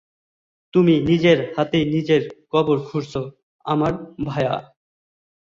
তুমি নিজের হাতেই নিজের কবর খুঁড়ছো, আমার ভায়া।